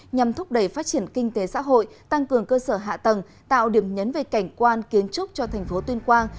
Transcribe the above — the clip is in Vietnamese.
nhằm thúc đẩy phát triển kinh tế xã hội tăng cường cơ sở hạ tầng tạo điểm nhấn về cảnh quan kiến trúc cho thành phố tuyên quang